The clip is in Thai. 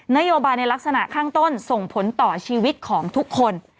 นโยบายในลักษณะข้างต้นส่งผลต่อชีวิตของทุกคน